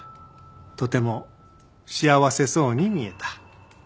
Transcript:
とても幸せそうに見えた。